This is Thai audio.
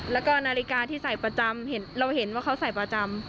แล้วก็นาฬิกาที่ใส่ประจำเราเห็นว่าเขาใส่ประจำ